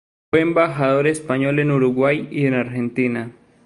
Fue embajador español en Uruguay y en Argentina.